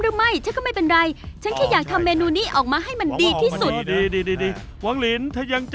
วก็คุณมักจะพูดว่า